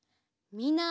みんな。